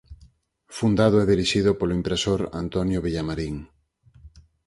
Fundado e dirixido polo impresor Antonio Villamarín.